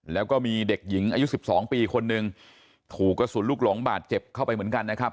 แล้วก็มีเด็กหญิงอายุ๑๒ปีคนหนึ่งถูกกระสุนลูกหลงบาดเจ็บเข้าไปเหมือนกันนะครับ